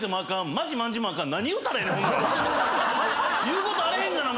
言うことあれへんがな！